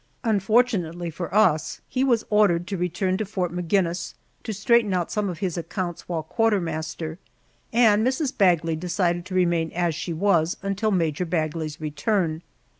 Unfortunately for us, he was ordered to return to Fort Maginnis to straighten out some of his accounts while quartermaster, and Mrs. Bagley decided to remain as she was until Major Bagley's return.